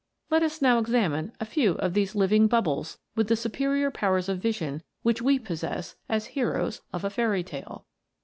Let us now examine a few of these living bubbles with the superior powers of vision which we possess as heroes of a fairy tale.